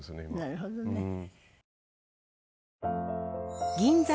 なるほどね。